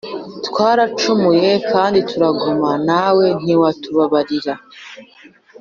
“Twaracumuye kandi turagoma, Nawe ntiwatubabarira.